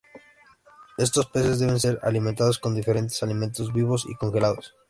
Estos peces deben ser alimentados con diferentes alimentos vivos y congelados.